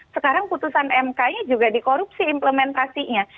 sekarang putusan mk nya juga dikorupsi implementasinya